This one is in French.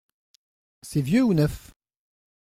C’est vieux ou neuf ?